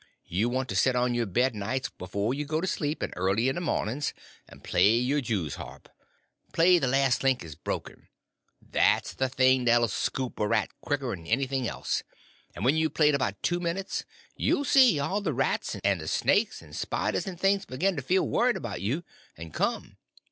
You want to set on your bed nights before you go to sleep, and early in the mornings, and play your jews harp; play 'The Last Link is Broken'—that's the thing that 'll scoop a rat quicker 'n anything else; and when you've played about two minutes you'll see all the rats, and the snakes, and spiders, and things begin to feel worried about you, and come.